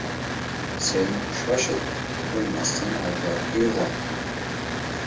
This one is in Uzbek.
Sen shoshil, o‘lmasdan avval uyg‘on.